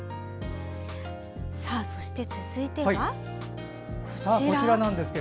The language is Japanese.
そして続いては、こちら。